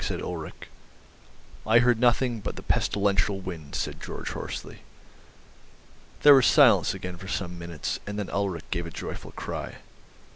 "I heard nothing but the pestilential wind," said Georg hoarsely. There was silence again for some minutes, and then Ulrich gave a joyful cry.